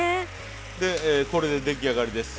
これで出来上がりです。